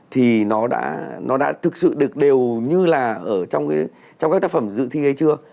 thì nó đã thực sự được đều như là ở trong các tác phẩm dự thi hay chưa